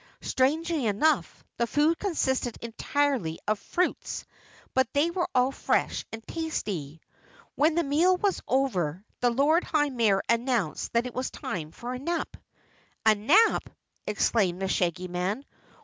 Strangely enough, the food consisted entirely of fruits, but they were all fresh and tasty. When the meal was over, the Lord High Mayor announced that it was time for a nap. "A nap!" exclaimed the Shaggy Man.